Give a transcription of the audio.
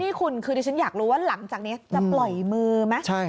นี่คุณคือดิฉันอยากรู้ว่าหลังจากนี้จะปล่อยมือไหม